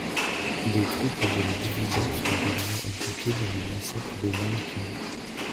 Des troupes de la division sont également impliquées dans le massacre de Nankin.